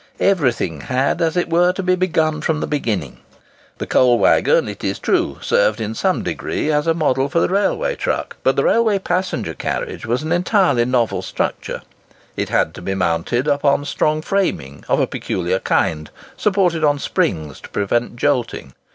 Everything had, as it were, to be begun from the beginning. The coal waggon, it is true, served in some degree as a model for the railway truck; but the railway passenger carriage was an entirely novel structure. It had to be mounted upon strong framing, of a peculiar kind, supported on springs to prevent jolting.